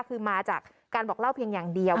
คือมาจากการบอกเล่าเพียงอย่างเดียว